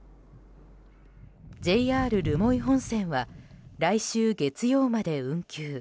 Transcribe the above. ＪＲ留萌本線は来週月曜まで運休。